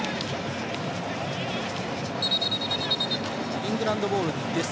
イングランドボールです。